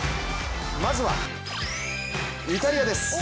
まずはイタリアです。